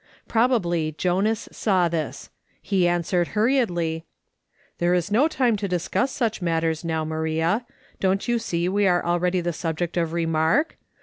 Probably Jonas saw this. He answered hurriedly :" There is no time to discuss such matters now, Maria. Don't you see we are already the subject of remark